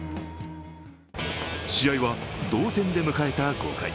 試合は同点で迎えた５回。